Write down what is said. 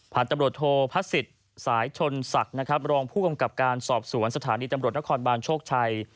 ผ่านตำรวจโทรภัศจิตสายชนศักดิ์รองผู้กำกับการสอบสวนสถานีตำรวจนครบาลโชคชัย